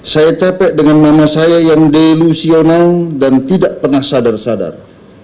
saya capek dengan mama saya yang delusional dan tidak pernah sadar sadar